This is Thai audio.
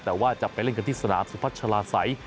แต่ว่าจะไปเล่นกันที่สนามสุพัชลาศัย